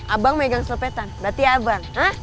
abang megang selepetan berarti abang